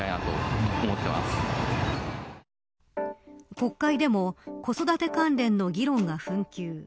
国会でも子育て関連の議論が紛糾。